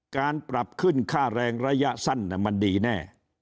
การปรับขึ้นค่าแรงระยะสั้นมันดีแน่